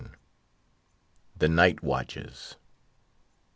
THE NIGHT WATCHES.